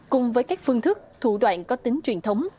cùng với các phương thức thủ đoạn có tính truyền thống